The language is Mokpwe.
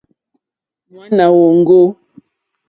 Ŋwáná wɔ̀ŋɡɔ́.